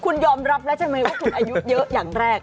คุณยอมรับแล้วใช่ไหมว่าคุณอายุเยอะอย่างแรก